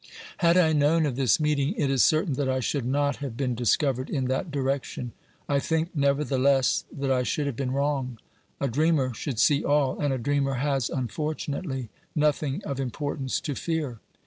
Had I known of this meeting, it is certain that I should not have been discovered in that direction. I think, never theless, that I should have been wrong. A dreamer should see all, and a dreamer has unfortunately nothing of import ance to fear.